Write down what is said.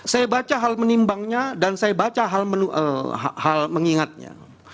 saya baca hal menimbangnya dan saya baca hal mengingatnya